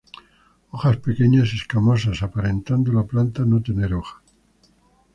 Hojas pequeñas y escamosas, aparentando la planta no tener hojas.